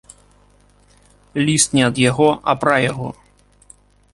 Ліст не ад яго, а пра яго.